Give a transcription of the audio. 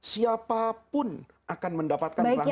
siapapun akan mendapatkan rahmat allah ini